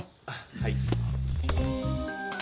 はい。